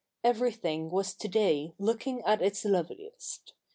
Everything was to day looking at its loveliest.